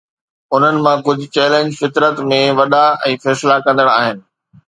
انهن مان ڪجهه چئلينج فطرت ۾ وڏا ۽ فيصلا ڪندڙ آهن.